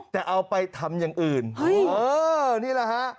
แต่เอาไปทำอย่างอื่นเออนี่แหละฮะ